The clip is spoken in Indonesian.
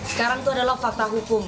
sekarang itu adalah fakta hukum